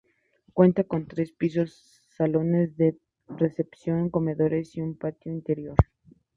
Cuenta con tres pisos, salones de recepciones, comedores y un patio interior.